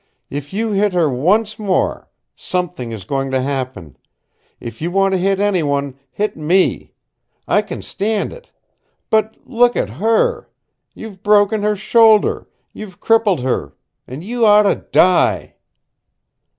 "If you hit her once more something is going to happen. If you want to hit anyone, hit me. I kin stand it. But look at her! You've broken her shoulder, you've crippled her an' you oughta die!"